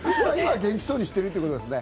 元気そうにしているということですね。